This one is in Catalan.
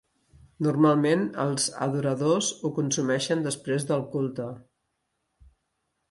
Normalment, els adoradors ho consumeixen després del culte.